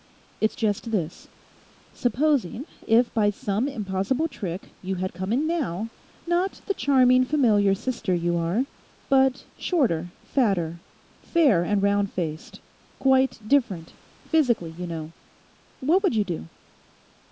It's just this: Supposing if by some impossible trick you had come in now, not the charming familiar sister you are, but shorter, fatter, fair and round faced, quite different, physically, you know—what would you do?